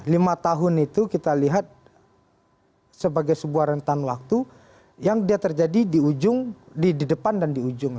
lima tahun itu kita lihat sebagai sebuah rentan waktu yang dia terjadi di ujung di depan dan di ujung